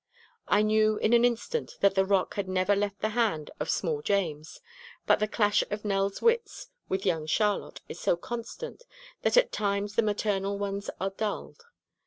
I knew in an instant that that rock had never left the hand of small James, but the clash of Nell's wits with young Charlotte is so constant that at times the maternal ones are dulled.